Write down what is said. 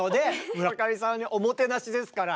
村上さんにおもてなしですから。